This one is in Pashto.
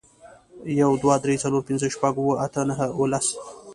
یو، دوه، درې، څلور، پینځه، شپږ، اووه، اته، نهه او لس